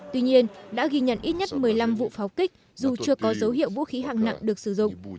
tuy nhiên đã ghi nhận ít nhất một mươi năm vụ pháo kích dù chưa có dấu hiệu vũ khí hạng nặng được sử dụng